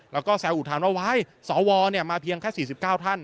แล้วก็แซวอุทานว่าว้ายสวมาเพียงแค่๔๙ท่าน